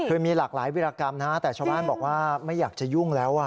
คือมีหลากหลายวิรากรรมนะแต่ชาวบ้านบอกว่าไม่อยากจะยุ่งแล้ว